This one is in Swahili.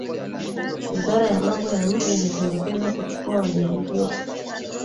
wizara ya mambo ya nje imependekeza kuchukuwa wajeruhiwa